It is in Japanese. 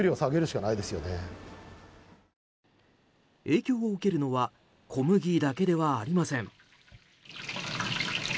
影響を受けるのは小麦だけではありません。